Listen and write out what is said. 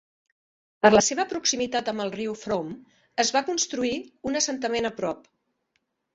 Per la seva proximitat amb el riu Frome, es va construir un assentament a prop.